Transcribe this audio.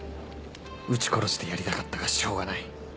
撃ち殺してやりたかったがしょうがない